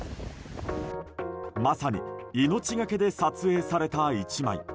まさに命がけで撮影された１枚。